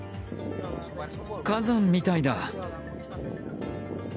火山みたいだ。